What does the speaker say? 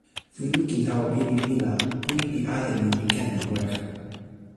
mi lukin tawa pilin mi la, pini pi ale ni li ken lon weka.